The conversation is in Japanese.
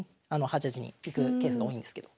８八に行くケースが多いんですけど。